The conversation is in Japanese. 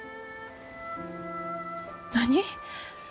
何？